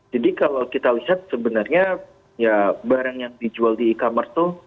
jadi kalau kita lihat sebenarnya ya barang yang dijual di e commerce tuh